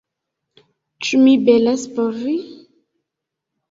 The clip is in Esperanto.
- Ĉu mi belas por vi?